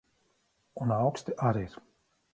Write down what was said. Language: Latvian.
Un auksti ar ir.